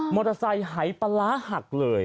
เตอร์ไซค์หายปลาร้าหักเลย